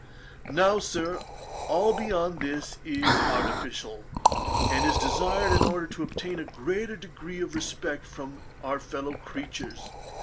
Now, Sir, all beyond this is artificial, and is desired in order to obtain a greater degree of respect from our fellow creatures.